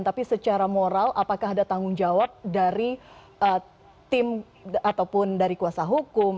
tapi secara moral apakah ada tanggung jawab dari tim ataupun dari kuasa hukum